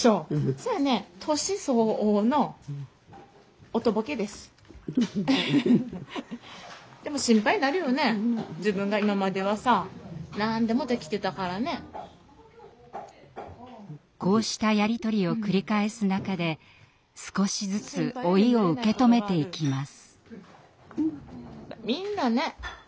それはねこうしたやり取りを繰り返す中で少しずつ老いを受け止めていきます。